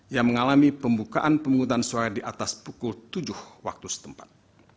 yang mengalami pembukaan pemungutan suara di atas pukul tujuh waktu setempat